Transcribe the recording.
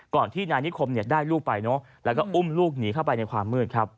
ที่นายนิคมได้ลูกไปแล้วก็อุ้มลูกหนีเข้าไปในความมืดครับ